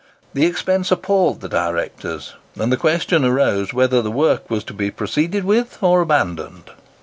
The expense appalled the directors, and the question arose, whether the work was to be proceeded with or abandoned!